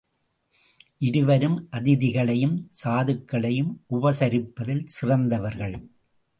இருவரும் அதிதிகளையும் சாதுக்களையும் உபசரிப்பதில் சிறந்தவர்கள்.